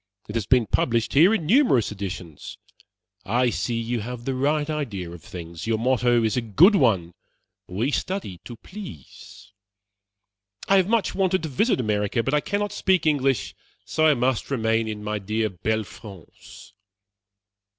It has been published here in numerous editions. I see you have the right idea of things. Your motto is a good one 'we study to please.' I have much wanted to visit America; but I cannot speak English, so I must remain in my dear belle France."